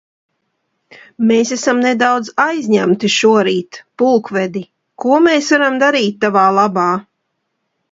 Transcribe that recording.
Mēs esam nedaudz aizņemti šorīt, pulkvedi, Ko mēs varam darī tavā labā?